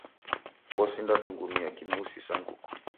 Osinda dungumia kimusi sa nguku.